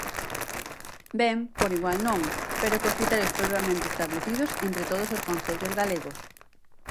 Ben, por igual non, pero cos criterios previamente establecidos entre todos os concellos galegos.